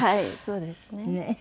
そうですね。